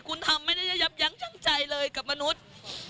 คุณทำไม่ได้ยับยั้งชั่งใจเลยกับมนุษย์